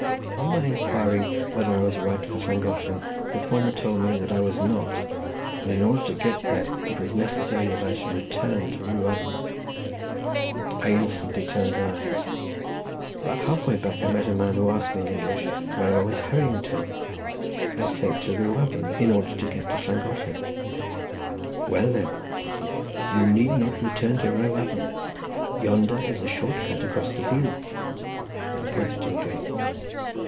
On my inquiring whether I was right for Llangollen, the former told me that I was not, and in order to get there it was necessary that I should return to Rhiwabon. I instantly turned round. About half way back I met a man who asked me in English where I was hurrying to. I said to Rhiwabon, in order to get to Llangollen. "Well, then," said he, "you need not return to Rhiwabon—yonder is a short cut across the fields," and he pointed to a gate.